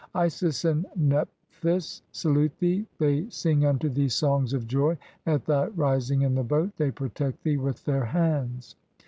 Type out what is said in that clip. Isis and Nephthys salute thee, they sing unto thee songs "of joy at thy rising in the boat, they protect thee with their "hands.